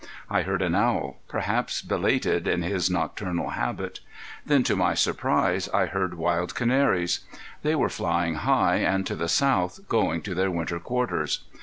I heard an owl, perhaps belated in his nocturnal habit. Then to my surprise I heard wild canaries. They were flying high, and to the south, going to their winter quarters.